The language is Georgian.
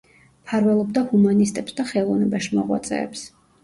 მფარველობდა ჰუმანისტებს და ხელოვნებაში მოღვაწეებს.